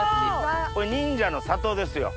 これ忍者の里ですよ。